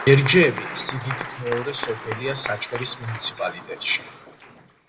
მერჯევი სიდიდით მეორე სოფელია საჩხერის მუნიციპალიტეტში.